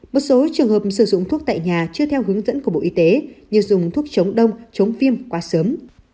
một số trường hợp sử dụng thuốc tại nhà chưa theo hướng dẫn của bộ y tế như dùng thuốc chống đông chống viêm quá sớm